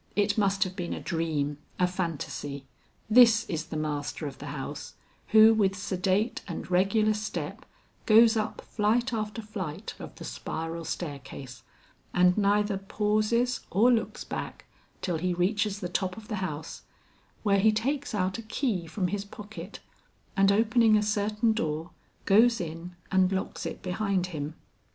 It must have been a dream, a phantasy. This is the master of the house who with sedate and regular step goes up flight after flight of the spiral staircase, and neither pauses or looks back till he reaches the top of the house where he takes out a key from his pocket, and opening a certain door, goes in and locks it behind him.